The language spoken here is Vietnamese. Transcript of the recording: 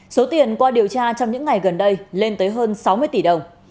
số tiền qua điều tra trong những ngày gần đây lên tới hơn sáu mươi tỷ đồng